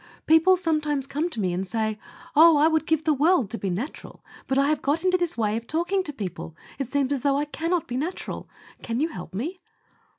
People sometimes come to me and say, "Oh! I would give the world to be natural, but I have got into this way of talking to people. It seems as though I cannot be natural. Can you help me?"